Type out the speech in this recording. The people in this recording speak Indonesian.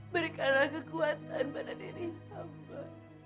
berikanlah kekuatan pada diri hamba